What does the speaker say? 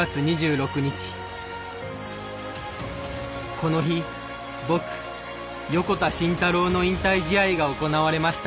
この日僕横田慎太郎の引退試合が行われました。